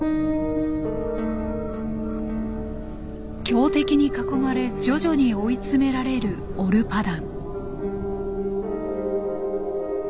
強敵に囲まれ徐々に追い詰められるオルパダン。